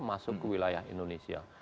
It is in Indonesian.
masuk ke wilayah indonesia